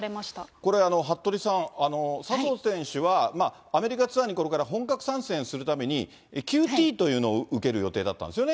これ、服部さん、笹生選手は、アメリカツアーにこれから本格参戦するために、９Ｔというのを受ける予定だったんですよね。